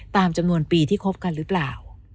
ตามจำนวนปีที่คบกันหรือเปล่า